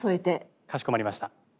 かしこまりました。